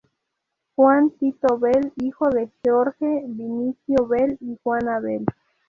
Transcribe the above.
Juan Tito Bell hijo de George Vinicio Bell y Juana Bell.